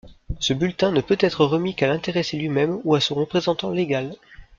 Ce bulletin ne peut être remis qu'à l'intéressé lui-même, ou à son représentant légal.